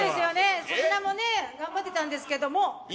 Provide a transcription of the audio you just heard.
粗品も頑張ってたんですけども。